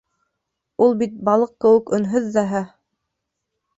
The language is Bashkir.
— Ул бит балыҡ кеүек өнһөҙ ҙәһә.